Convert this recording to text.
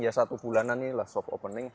ya satu bulanan ini soft opening